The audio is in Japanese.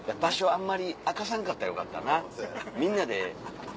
あんまり明かさんかったらよかったな。